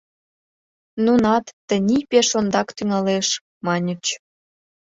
Нунат «тений пеш ондак тӱҥалеш» маньыч.